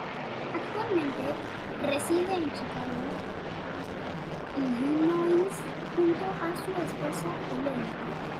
Actualmente reside en Chicago, Illinois, junto a su esposa Elaine.